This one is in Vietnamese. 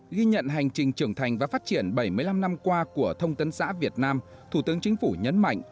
ghi nhận hành trình trưởng thành và phát triển bảy mươi năm năm qua của thông tấn xã việt nam thủ tướng chính phủ nhấn mạnh